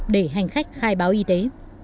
để hành khách khai báo y tế